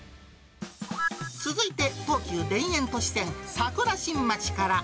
続いて東急田園都市線桜新町から。